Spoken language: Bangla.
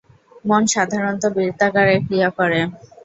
মন সাধারণত বৃত্তাকারে ক্রিয়া করে।